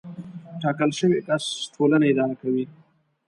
ټاکل شوی کس ټولنه اداره کوي.